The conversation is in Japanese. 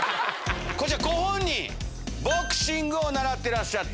こちら、ご本人、ボクシングを習ってらっしゃった。